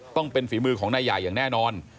ต้องเป็นฝีมือของนายใหญ่อย่างแน่นอน